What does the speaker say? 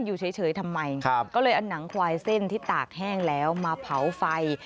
อยู่เฉยทำไมก็เลยเอาหนังควายเส้นที่ตากแห้งแล้วมาเผาไฟ